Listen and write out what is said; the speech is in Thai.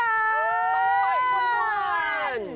ต้องไปทุกคน